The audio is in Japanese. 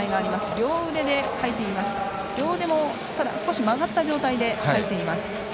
両腕も少し曲がった状態でかいています。